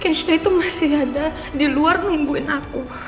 kesha itu masih ada di luar nungguin aku